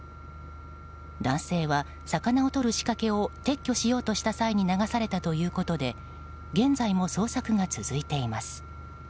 男性は魚をとる仕掛けを撤去しようとした際に流されたということで現在も捜索が続いています。